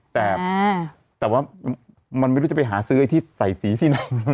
แต่ว่ามันไม่รู้จะไปหาซื้อไอ้ที่ใส่สีที่ไหน